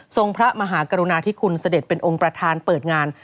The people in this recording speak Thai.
พระมหากรุณาธิคุณเสด็จเป็นองค์ประธานเปิดงาน